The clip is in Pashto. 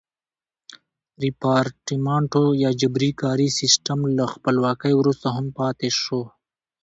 ریپارټمنټو یا جبري کاري سیستم له خپلواکۍ وروسته هم پاتې شو.